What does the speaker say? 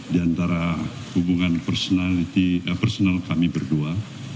di antara hubungan personal kami berdua